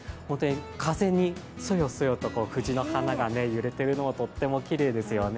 風にそよそよと藤の花が揺れているのが、とてもきれいですよね。